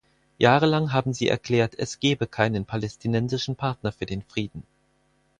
Jahrelang haben sie erklärt, es gebe keinen palästinensischen Partner für den Frieden.